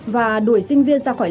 và đuổi sinh viên vào trường trường học